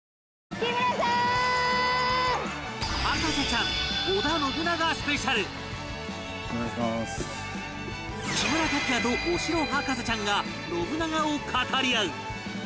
木村拓哉とお城博士ちゃんが信長を語り合う！